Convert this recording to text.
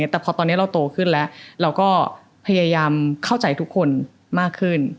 แต่พอตอนนี้เราโตขึ้นแล้วเราก็พยายามเข้าใจทุกคนมากขึ้น